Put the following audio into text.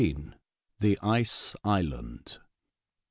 THE ICE ISLAND.